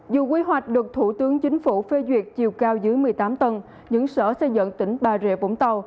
dù quy hoạch được thủ tướng chính phủ phê duyệt chiều cao dưới một mươi tám tầng những sở xây dựng tỉnh bà rịa vũng tàu